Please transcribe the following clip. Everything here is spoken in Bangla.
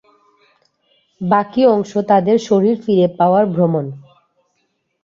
বাকী অংশ তাদের শরীর ফিরে পাওয়ার ভ্রমণ।